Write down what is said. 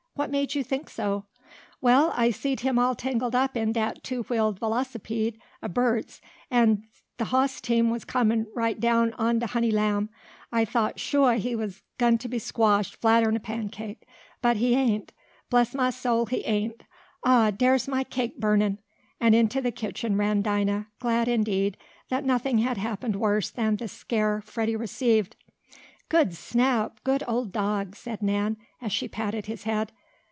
"What made you think so?" "Well, I seed him all tangled up in dat two wheeled velocipede ob Bert's, an' de hoss team was comin' right down on de honey lamb. I thought shuah he was gwine t' be squashed flatter'n a pancake. But he ain't! Bless mah soul he ain't! Oh, dere's mah cake burnin'!" and into the kitchen ran Dinah, glad, indeed, that nothing had happened worse than the scare Freddie received. "Good Snap! Good old dog!" said Nan, as she patted his head.